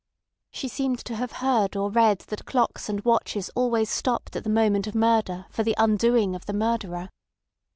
She seemed to have heard or read that clocks and watches always stopped at the moment of murder for the undoing of the murderer.